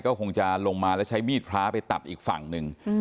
ก็คงจะลงมาแล้วใช้มีดพระไปตัดอีกฝั่งหนึ่ง